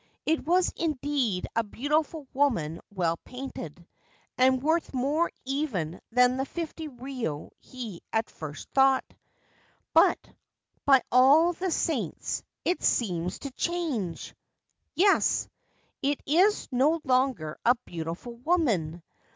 It was indeed a beautiful woman well painted, and worth more even than the 50 rio he at first thought. But, by all the saints, it seems to change ! Yes : it is no longer a beautiful woman.